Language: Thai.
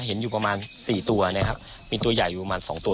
เห็นอยู่ประมาณสี่ตัวนะครับมีตัวใหญ่อยู่ประมาณสองตัว